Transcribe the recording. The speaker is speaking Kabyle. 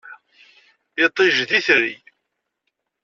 Iṭij, d itri.